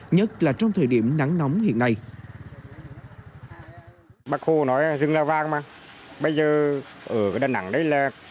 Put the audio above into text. nhất là trong thời điểm nắng nóng hiện nay